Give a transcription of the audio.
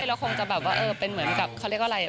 เราคงจะแบบว่าเป็นเหมือนกับเขาเรียกอะไร